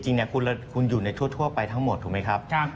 จริงคุณอยู่ในทั่วไปทั้งหมดถูกไหมครับ